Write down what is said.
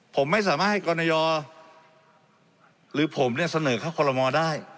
ผมไม่สามารถให้กรณยอหรือผมเนี่ยเสนอเข้าคอลโลมอลได้